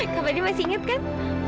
kak fadil masih inget kan